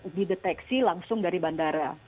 untuk dideteksi langsung dari bandara